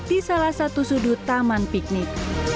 di salah satu sudut taman piknik